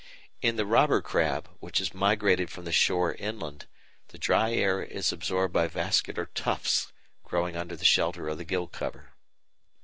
In the Robber Crab, which has migrated from the shore inland, the dry air is absorbed by vascular tufts growing under the shelter of the gill cover.